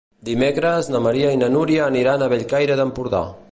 Dimecres na Maria i na Núria aniran a Bellcaire d'Empordà.